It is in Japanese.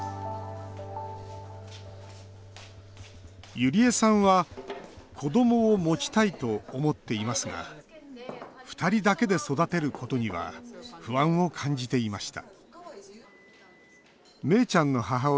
ゆりえさんは子どもを持ちたいと思っていますがふたりだけで育てることには不安を感じていました。